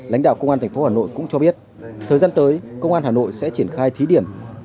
lãnh đạo công an tp hà nội cũng cho biết thời gian tới công an hà nội sẽ triển khai thí điểm